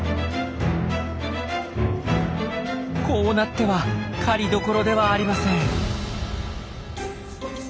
こうなっては狩りどころではありません。